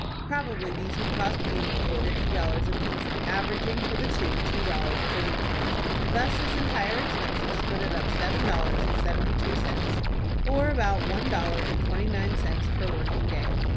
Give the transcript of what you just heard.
Probably these would cost annually fifty dollars apiece, averaging, for the two, two dollars per week. Thus his entire expenses footed up seven dollars and seventy two cents, or about one dollar and twenty nine cents per working day.